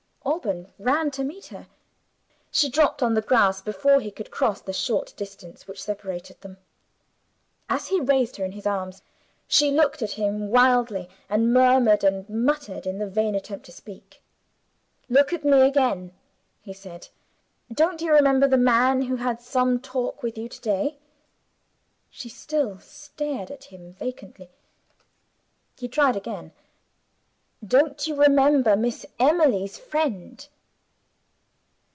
Alban ran to meet her. She dropped on the grass before he could cross the short distance which separated them. As he raised her in his arms she looked at him wildly, and murmured and muttered in the vain attempt to speak. "Look at me again," he said. "Don't you remember the man who had some talk with you to day?" She still stared at him vacantly: he tried again. "Don't you remember Miss Emily's friend?"